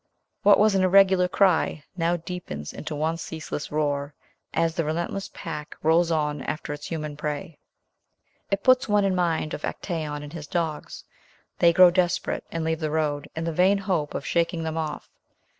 What was an irregular cry, now deepens into one ceaseless roar, as the relentless pack rolls on after its human prey. It puts one in mind of Actaeon and his dogs. They grow desperate and leave the road, in the vain hope of shaking them off.